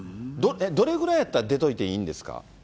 どれぐらいやったら出といていいんですか？